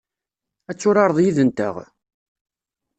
Ad turareḍ yid-nteɣ?